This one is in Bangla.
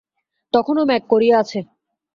তখনো মেঘ করিয়া আছে।